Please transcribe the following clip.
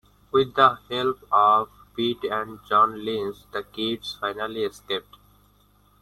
With the help of Pitt and John Lynch, the kids finally escaped.